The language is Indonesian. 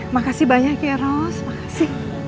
makasih banyak ya ros makasih